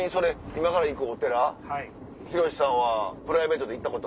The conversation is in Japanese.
今から行くお寺博さんはプライベートで行ったこと。